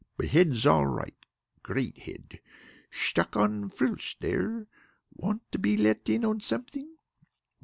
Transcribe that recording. But head's all right. Great head! Sthuck on frillsh there! Want to be let in on something?